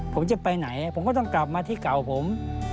ผมจะไปไหนผมก็ต้องกลับมาที่เก่าผม